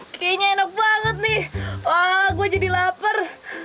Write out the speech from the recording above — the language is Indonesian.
kayaknya enak banget nih wah gue jadi lapar